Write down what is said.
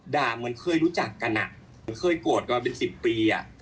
เหมือนเคยรู้จักกันอ่ะเหมือนเคยโกรธกันมาเป็น๑๐ปี